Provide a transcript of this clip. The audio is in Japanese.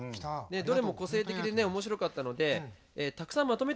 どれも個性的でね面白かったのでたくさんまとめてみました。